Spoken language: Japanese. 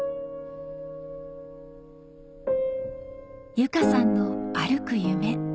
由佳さんの歩く夢